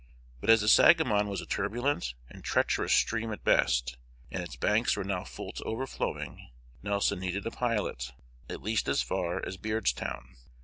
But as the Sangamon was a turbulent and treacherous stream at best, and its banks were now full to overflowing, Nelson needed a pilot, at least as far as Beardstown.